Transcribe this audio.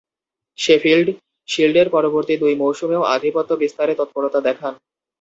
Sheffield শিল্ডের পরবর্তী দুই মৌসুমেও আধিপত্য বিস্তারে তৎপরতা দেখান।